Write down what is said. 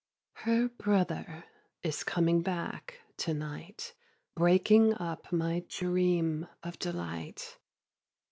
1. Her brother is coming back to night, Breaking up my dream of delight.